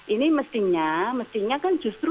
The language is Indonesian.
ini mestinya mestinya kan justru